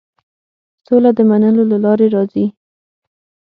سوله د منلو له لارې راځي.